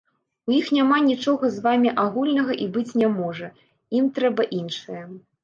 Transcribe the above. У іх няма нічога з вамі агульнага і быць не можа, ім трэба іншае.